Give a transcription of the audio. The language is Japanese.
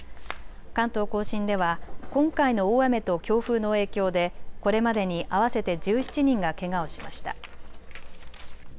関東甲信では今回の大雨と強風の影響でこれまでに合わせて１７人がけがをしました。